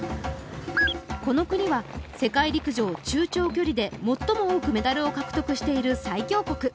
この国は世界陸上中長距離で最も多くメダルを獲得している最強国。